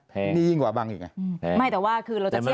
พร้อมนี้ยิ่งกว่าอาบังต์อีก